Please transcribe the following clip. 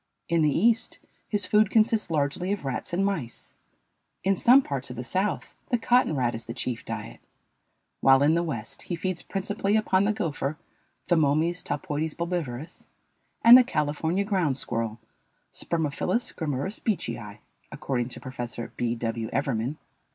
In the East, his food consists largely of rats and mice; in some parts of the South the cotton rat is the chief diet; while in the West he feeds principally upon the gopher (Thomomys talpoides bulbivorus) and the California ground squirrel (Spermophilus grammurus beecheyi), according to Prof. B. W. Evermann.